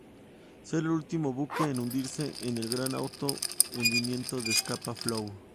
Ser el último buque en hundirse en el gran auto hundimiento de Scapa Flow.